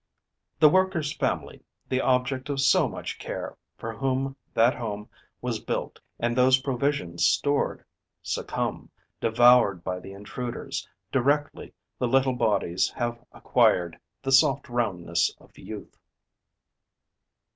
The worker's family, the object of so much care, for whom that home was built and those provisions stored, succumb, devoured by the intruders, directly the little bodies have acquired the soft roundness of youth.